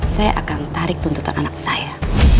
saya akan tarik tuntutan anak saya